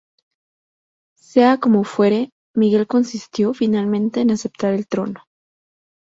Sea como fuere, Miguel consintió finalmente en aceptar el trono.